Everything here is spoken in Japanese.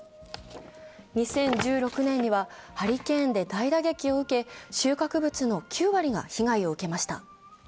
２０１６年には、ハリケーンで大打撃を受け収穫物の９割が被害を受けました。